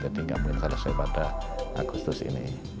jadi nggak mungkin selesai pada agustus ini